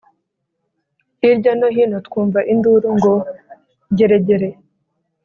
Hirya no hino twumva induru ngo geregere